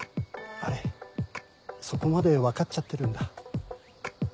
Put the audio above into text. あれそこまで分かっちゃってるんだ。